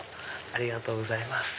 ありがとうございます。